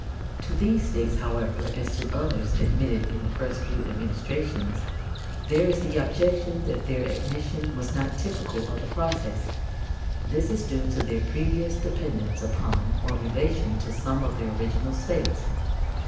To these states, however, as to others admitted in the first few administrations, there is the objection that their admission was not typical of the process. This is due to their previous dependence upon or relation to some of the original states.